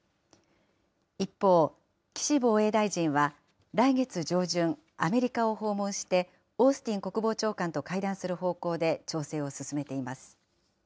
一方、岸防衛大臣は来月上旬、アメリカを訪問して、オースティン国防長官と会談する方向で調整を進めています。